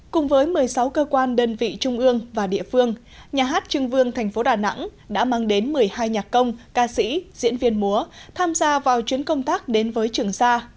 cùng với một mươi sáu cơ quan đơn vị trung ương và địa phương nhà hát trưng vương thành phố đà nẵng đã mang đến một mươi hai nhạc công ca sĩ diễn viên múa tham gia vào chuyến công tác đến với trường sa